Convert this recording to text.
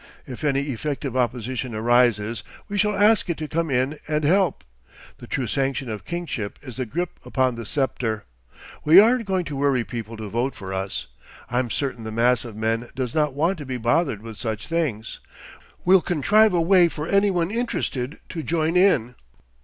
If any effective opposition arises we shall ask it to come in and help. The true sanction of kingship is the grip upon the sceptre. We aren't going to worry people to vote for us. I'm certain the mass of men does not want to be bothered with such things.... We'll contrive a way for any one interested to join in.